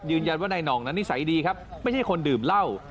ยืนยันว่านายหน่องนั้นนิสัยดีครับไม่ใช่คนดื่มเหล้า